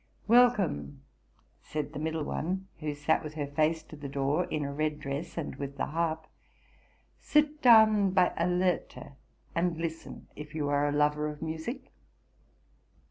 'Welcome !'' said the middle one, who sat with her face to the door, in a red dress, and with the harp. '' Sit down by Alerte, and listen, if you are a lover of music."